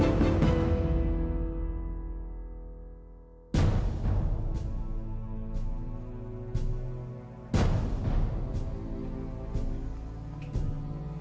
aku mau pulang